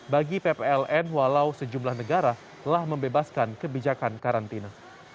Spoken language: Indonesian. bagi ppln walau sejumlah negara telah membebaskan kebijakan karantina